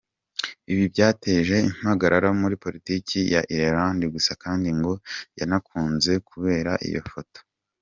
Ibi byateje impagarara muri politiki ya Irelande gusa kandi ngo yanakunzwe kubera iyo foto.